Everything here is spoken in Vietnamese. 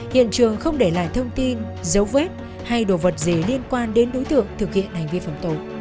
hiện trường không để lại thông tin dấu vết hay đồ vật gì liên quan đến đối tượng thực hiện hành vi phạm tội